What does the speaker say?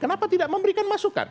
kenapa tidak memberikan masukan